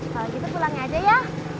kalau gitu pulangnya aja ya